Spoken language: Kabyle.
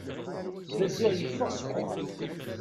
Maziɣ yeffeɣ seg uxxam.